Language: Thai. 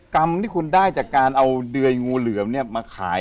กรรมที่คุณได้จากการเอาเดื่อยงูเหลือมมาขาย